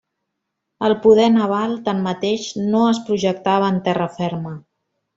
El poder naval, tanmateix, no es projectava en terra ferma.